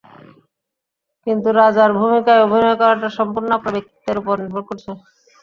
কিন্তু রাজার ভূমিকায় অভিনয় করাটা সম্পূর্ণ আপনার ব্যক্তিত্বের ওপর নির্ভর করছে।